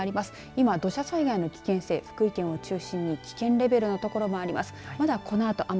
今、土砂災害の危険性福井県を中心に危険レベルの所もあります。